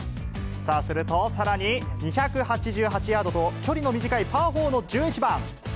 すると、さらに２８８ヤードと距離の短いパー４の１１番。